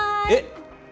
えっ？